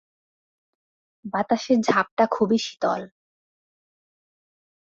বাতাসের ঝাপটা খুবই শীতল।